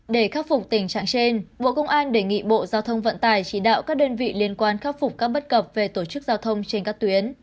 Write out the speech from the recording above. để khắc phục tình trạng trên bộ công an đề nghị bộ giao thông vận tải chỉ đạo các đơn vị liên quan khắc phục các bất cập về tổ chức giao thông trên các tuyến